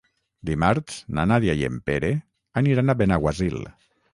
Dimarts na Nàdia i en Pere aniran a Benaguasil.